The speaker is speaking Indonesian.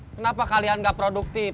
kenapa kalian gak produktif